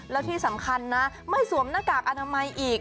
แล้วที่สำคัญนะไม่สวมหน้ากากอนามัยอีก